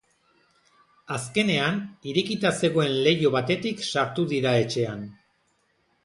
Azkenean, irekita zegoen leiho batetik sartu dira etxean.